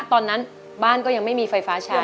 ตอนนั้นบ้านก็ยังไม่มีไฟฟ้าใช้